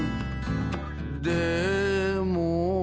「でも」